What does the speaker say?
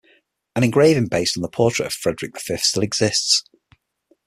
An engraving based on the portrait of Frederik the Fifth still exists.